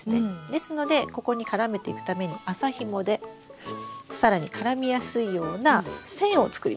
ですのでここに絡めていくために麻ひもで更に絡みやすいような線を作ります。